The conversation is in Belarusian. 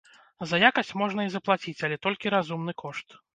За якасць можна і заплаціць, але толькі разумны кошт.